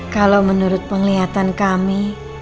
kalau menurut penglihatan kami